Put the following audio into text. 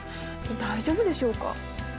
大丈夫でしょうか？